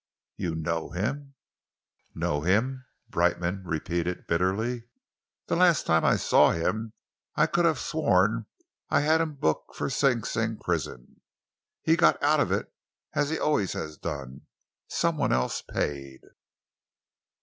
"You know him?" "Know him!" Brightman repeated bitterly. "The last time I saw him I could have sworn that I had him booked for Sing Sing prison. He got out of it, as he always has done. Some one else paid.